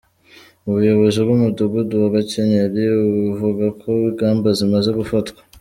Ubuyobozi bw’umudugudu wa Gakenyeri A buvuga ko ingamba zimaze gufatwa .